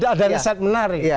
ada riset menarik